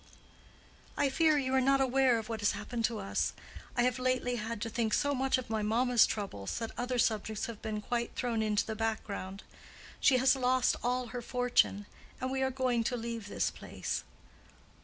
"I fear you are not aware of what has happened to us. I have lately had to think so much of my mamma's troubles, that other subjects have been quite thrown into the background. She has lost all her fortune, and we are going to leave this place.